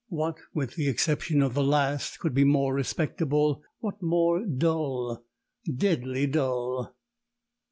What (with the exception of the last) could be more respectable, what more dull deadly dull?